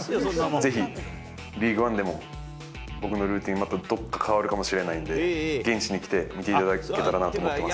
ぜひ、リーグワンでも僕のルーティンがどっか変わるかもしれないんで、現地に来て見ていただけたらなと思ってます。